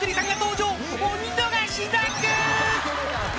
［お見逃しなく！］